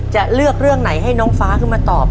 จะเลือกเรื่องไหนให้น้องฟ้าขึ้นมาตอบ